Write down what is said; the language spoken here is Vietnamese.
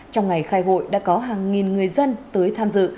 trong ngày khai hội đã có hàng nghìn người dân tới tham dự